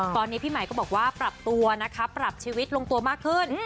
ตอนนี้พี่ใหม่ก็บอกว่าปรับตัวนะคะปรับชีวิตลงตัวมากขึ้น